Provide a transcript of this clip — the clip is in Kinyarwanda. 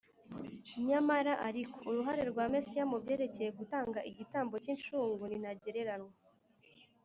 Nyamara ariko uruhare rwa Mesiya mu byerekeye gutanga igitambo cy’incungu ni ntagereranywa